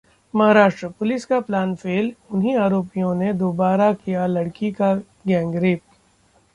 Maharashtra: police का plan fail, उन्हीं आरोपियों ने दोबारा किया लड़की का गैंगरेप